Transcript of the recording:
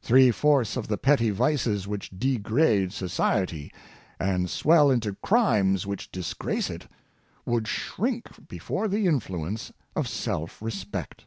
Three fourths of the petty vices which degrade society, and swell into crimes which disgrace it, would shrink before the influence of selfrespect.